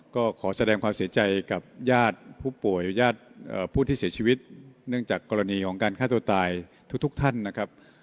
ก็ขอแสดงความเสียใจกับญาติผู้ป่วยญาติผู้ที่เสียชีวิตเนื่องจากกรณีของการฆ่าตัวตายทุกท่านนะครับ